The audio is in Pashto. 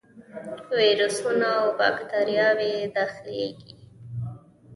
ویروسونه او باکتریاوې داخليږي.